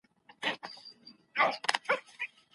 د ملي عاید حسابولو پروسه بشپړه سوې وه.